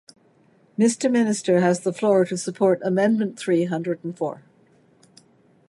Mr Minister has the floor to support amendment three hundred and four.